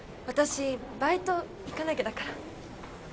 私バイト行かなきゃだから。